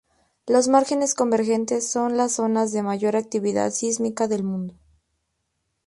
Los márgenes convergentes son las zonas de mayor actividad sísmica del mundo.